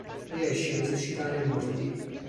Riesce a resuscitare i morti.